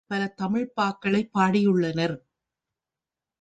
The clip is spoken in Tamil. அவர்கள் பல தமிழ்ப் பாக்களைப் பாடி யுள்ளனர்.